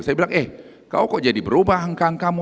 saya bilang eh kau kok jadi berubah angkang kamu